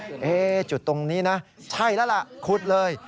ว่าจุดตรงนี้นะใช่แล้วล่ะขุดเลย